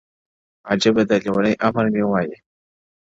عجیبه ده لېونی آمر مي وایي;